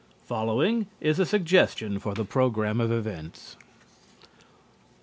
Following is a suggestion for the program of events: 1.